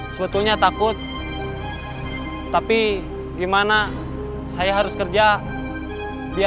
sama orangnya gak ada